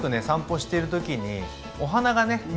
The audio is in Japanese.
散歩してる時にお花がね